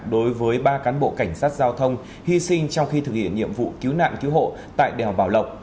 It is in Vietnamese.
đối với ba cán bộ cảnh sát giao thông hy sinh trong khi thực hiện nhiệm vụ cứu nạn cứu hộ tại đèo bảo lộc